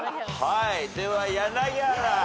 では柳原。